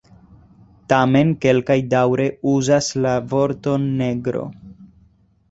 Tamen kelkaj daŭre uzas la vorton "negro".